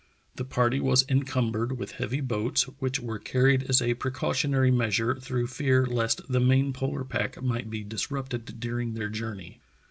The party was encumbered with heavy boats, which were carried as a precautionary measure through fear lest the main polar pack might be disrupted during their journey.